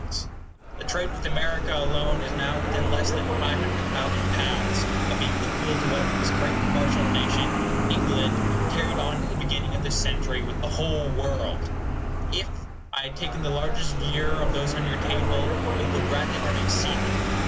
£6,024,000 Difference, 0£485,000 The trade with America alone is now within less than £500,000 of being equal to what this great commercial nation, England, carried on at the beginning of this century with the whole world! If I had taken the largest year of those on your table, it would rather have exceeded.